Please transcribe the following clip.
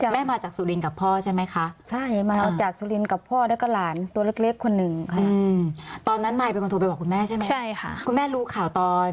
แม่มาจากสุรินทร์กับพ่อใช่ไหมคะ